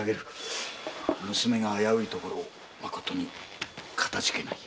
娘が危ういところをまことにかたじけない。